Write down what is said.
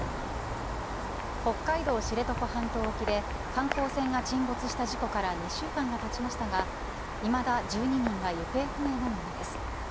北海道知床半島沖で観光船が沈没した事故から２週間がたちましたがいまだ１２人が行方不明のままです。